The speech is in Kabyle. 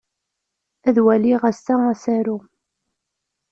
Ad waliɣ ass-a asaru.